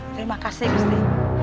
terima kasih gusti